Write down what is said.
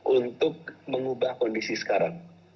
untuk mengubah kondisi sekarang